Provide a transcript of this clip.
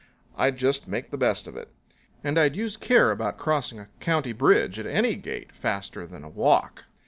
I'd just make the best of it. And I'd use care about crossing a county bridge at any gait faster than a walk.